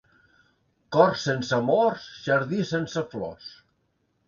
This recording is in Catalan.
Cor sense amors, jardí sense flors.